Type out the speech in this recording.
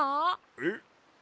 えっ？